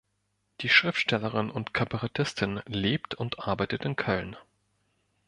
Die Schriftstellerin und Kabarettistin lebt und arbeitet in Köln.